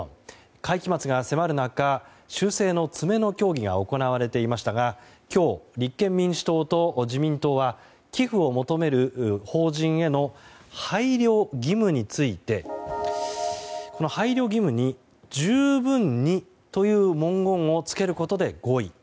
会期末が迫る中、修正の詰めの協議が行われていましたが今日、立憲民主党と自民党は寄付を求める法人への配慮義務についてこの配慮義務に「十分に」という文言をつけることで合意。